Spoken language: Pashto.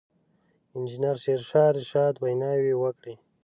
انجنیر شېرشاه رشاد ویناوې وکړې.